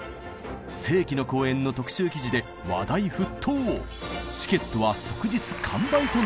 「世紀の公演」の特集記事で話題沸騰！